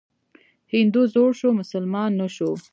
هندو زوړ شو، مسلمان نه شو.